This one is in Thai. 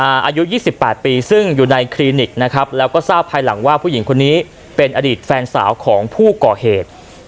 อายุยี่สิบแปดปีซึ่งอยู่ในคลินิกนะครับแล้วก็ทราบภายหลังว่าผู้หญิงคนนี้เป็นอดีตแฟนสาวของผู้ก่อเหตุ